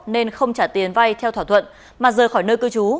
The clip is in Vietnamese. nên không trả tiền vay theo thỏa thuận mà rời khỏi nơi cư trú